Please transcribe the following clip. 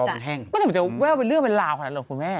มันจะแววไปเลือดมาลาวขนาดนั้นหรอคุณแม่